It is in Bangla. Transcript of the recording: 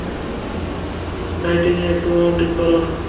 লাইটিং একটু রোমান্টিক কর?